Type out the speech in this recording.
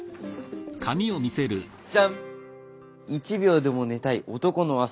じゃん！